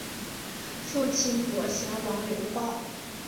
父亲左贤王刘豹。